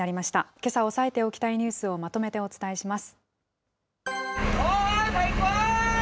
けさ押さえておきたいニュースをまとめてお伝えします。